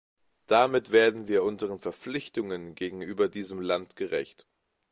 Damit werden wir unseren Verpflichtungen gegenüber diesem Land gerecht.